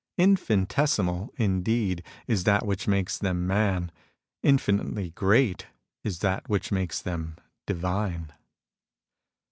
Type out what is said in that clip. Infinitesimal, indeed, is that which makes them man ; infinitely great is that which makes them divine